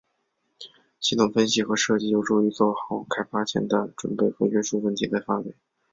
系统分析和设计有助于做好开发前的准备和约束问题的范围。